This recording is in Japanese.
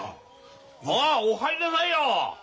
ああお入んなさいよ。